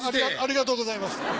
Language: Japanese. ありがとうございます。